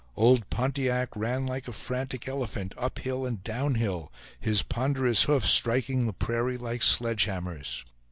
Old Pontiac ran like a frantic elephant up hill and down hill, his ponderous hoofs striking the prairie like sledge hammers.